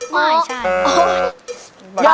ไม่ใช่